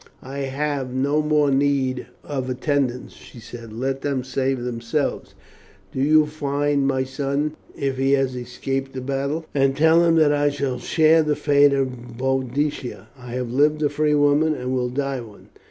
'I have no more need of attendants,' she said; 'let them save themselves. Do you find my son if he has escaped the battle, and tell him that I shall share the fate of Boadicea. I have lived a free woman, and will die one.